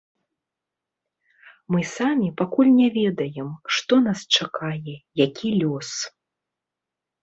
Мы самі пакуль не ведаем, што нас чакае, які лёс.